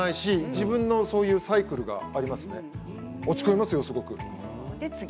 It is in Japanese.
自分のそういうサイクルがあります、落ち込みますよ。